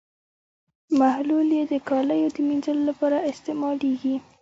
محلول یې د کالیو د مینځلو لپاره استعمالیږي.